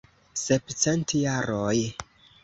Sepcent jaroj!